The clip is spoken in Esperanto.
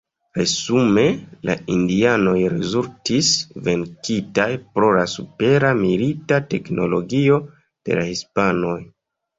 Resume la indianoj rezultis venkitaj pro la supera milita teknologio de la hispanoj.